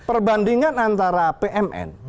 perbandingan antara pmn